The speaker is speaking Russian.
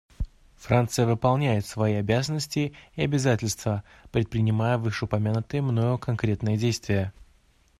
Франция выполняет свои обязанности и обязательства, предпринимая вышеупомянутые мною конкретные действия.